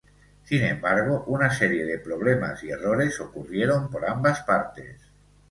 Sin embargo, una serie de problemas y errores ocurrieron por ambas partes.